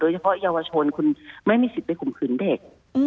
เฉพาะเยาวชนคุณไม่มีสิทธิ์ไปข่มขืนเด็ก